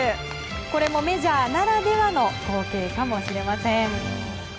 これもメジャーならではの光景かもしれません。